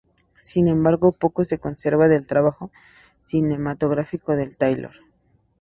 Sin embargo, poco se conserva del trabajo cinematográfico de Taylor.